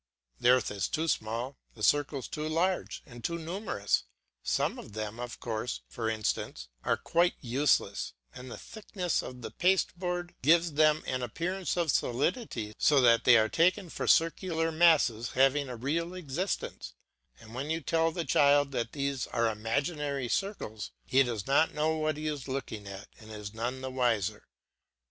The earth is too small, the circles too large and too numerous, some of them, the colures, for instance, are quite useless, and the thickness of the pasteboard gives them an appearance of solidity so that they are taken for circular masses having a real existence, and when you tell the child that these are imaginary circles, he does not know what he is looking at and is none the wiser.